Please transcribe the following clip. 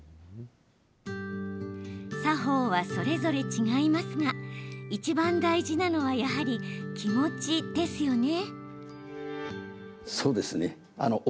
作法はそれぞれ違いますがいちばん大事なのはやはり、気持ちですよね。